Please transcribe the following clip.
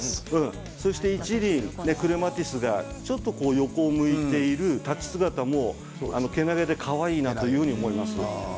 そして１輪クレマチスがちょっと横を向いている立ち姿もけなげでかわいいなというふうに思いますね。